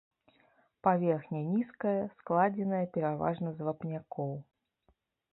Паверхня нізкая, складзеная пераважна з вапнякоў.